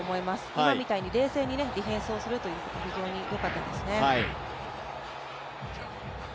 今みたいに冷静にディフェンスをするというのが非常によかったですね。